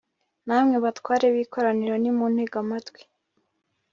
namwe batware b'ikoraniro, nimuntege amatwi